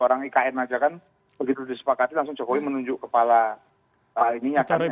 orang ikn aja kan begitu disepakati langsung jokowi menunjuk kepala ini ya kan